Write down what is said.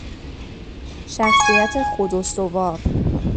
شخصیت خود استوار